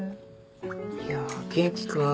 いや元気君